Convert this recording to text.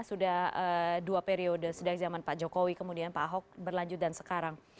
sudah dua periode sejak zaman pak jokowi kemudian pak ahok berlanjut dan sekarang